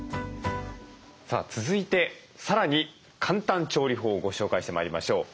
さあ続いてさらに簡単調理法をご紹介してまいりましょう。